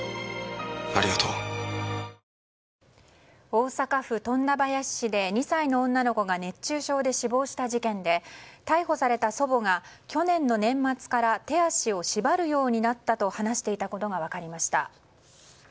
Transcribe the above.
大阪府富田林市で２歳の女の子が熱中症で死亡した事件で逮捕された祖母が去年の年末から手足を縛るようになったと話していたことが分かりました。